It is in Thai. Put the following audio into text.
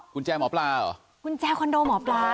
กุญแจหมอปลาเหรอกุญแจคอนโดหมอปลา